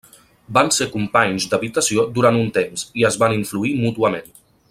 Van ser companys d'habitació durant un temps, i es van influir mútuament.